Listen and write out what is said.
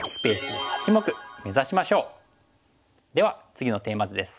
では次のテーマ図です。